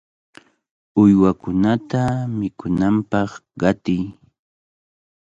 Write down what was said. ¡Uywakunata mikunanpaq qatiy!